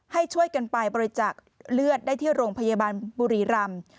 ให้ช่วยกันไปบริจักษ์เลือดได้ที่โรงพยาบาลบุรีรำ